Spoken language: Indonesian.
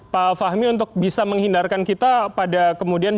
pak fahmi untuk bisa menghindarkan kita pada kemudian